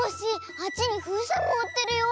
あっちにふうせんもうってるよ。